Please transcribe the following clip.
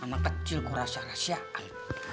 nama kecilku rahasia rahasiaan